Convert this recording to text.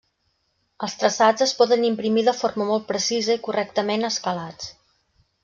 Els traçats es poden imprimir de forma molt precisa i correctament escalats.